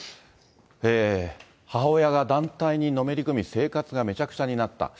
母親が団体にのめり込み、生活がめちゃくちゃになった。